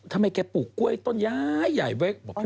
ทำไมใครปลูกก้วยต้นย้ายไว้